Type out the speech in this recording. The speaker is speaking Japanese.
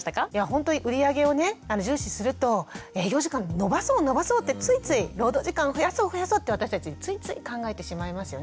ほんとに売り上げをね重視すると営業時間延ばそう延ばそうってついつい労働時間増やそう増やそうって私たちついつい考えてしまいますよね。